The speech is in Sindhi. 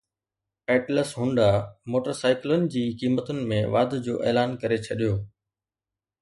ائٽلس هونڊا موٽر سائيڪلن جي قيمتن ۾ واڌ جو اعلان ڪري ڇڏيو